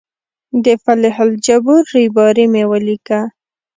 د فلیح الجبور ریباري مې ولیکه.